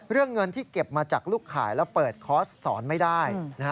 เรื่องเงินที่เก็บมาจากลูกขายแล้วเปิดคอร์สสอนไม่ได้